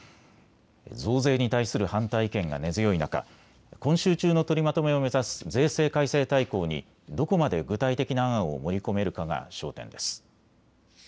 増税に対する反対意見が根強い中、今週中の取りまとめを目指す税制改正大綱にどこまで具体的な案を盛り込めるかが焦点です。